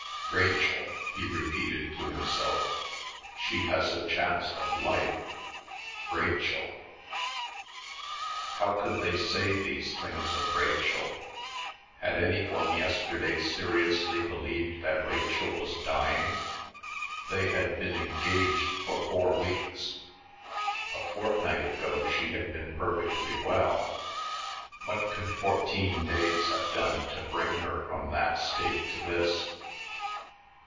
"Rachel," he repeated to himself. "She has a chance of life. Rachel." How could they say these things of Rachel? Had any one yesterday seriously believed that Rachel was dying? They had been engaged for four weeks. A fortnight ago she had been perfectly well. What could fourteen days have done to bring her from that state to this?